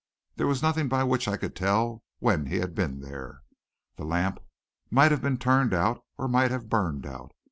There was nothing by which I could tell when he had been there. The lamp might have been turned out or might have burned out.